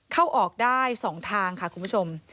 เข้าออกได้๒ทางค่ะคุณผู้ชม